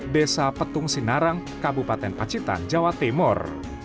desa petung sinarang kabupaten pacitan jawa timur